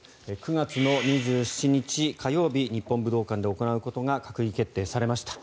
９月の２７日火曜日日本武道館で行うことが閣議決定されました。